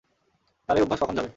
তার এই অভ্যাস কখন যাবে।